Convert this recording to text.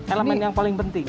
elemen yang paling penting